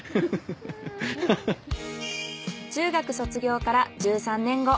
中学卒業から１３年後。